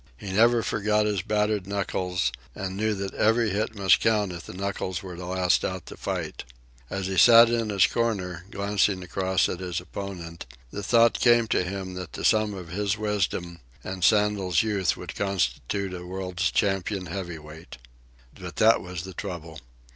He never forgot his battered knuckles, and knew that every hit must count if the knuckles were to last out the fight. As he sat in his corner, glancing across at his opponent, the thought came to him that the sum of his wisdom and Sandel's youth would constitute a world's champion heavyweight. But that was the trouble.